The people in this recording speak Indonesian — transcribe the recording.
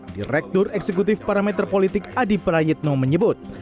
direktur eksekutif parameter politik adi prayitno menyebut